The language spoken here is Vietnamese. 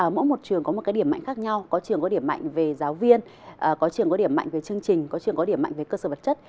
mỗi một trường có một cái điểm mạnh khác nhau có trường có điểm mạnh về giáo viên có trường có điểm mạnh về chương trình có trường có điểm mạnh về cơ sở vật chất